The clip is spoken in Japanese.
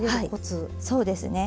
はいそうですね。